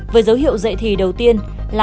với dấu hiệu dạy thị đầu tiên